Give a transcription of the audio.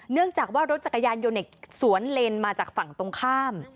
เนื่องจากว่ารถจักรยานยนต์สวนเลนมาจากฝั่งตรงข้าม